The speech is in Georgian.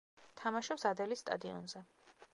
თამაშობს „ადელის“ სტადიონზე.